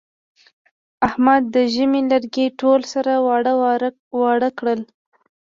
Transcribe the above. احمد د ژمي لرګي ټول سره واړه واړه کړل.